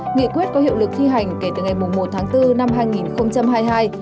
nghị quyết có hiệu lực thi hành kể từ ngày một bốn hai nghìn hai mươi hai